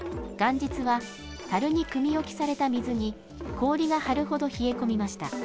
元日はたるにくみ置きされた水に氷が張るほど冷え込みました。